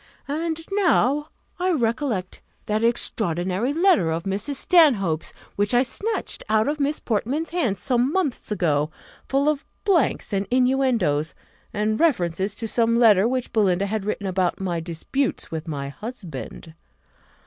And now I recollect that extraordinary letter of Mrs. Stanhope's which I snatched out of Miss Portman's hands some months ago, full of blanks, and inuendoes, and references to some letter which Belinda had written about my disputes with my husband!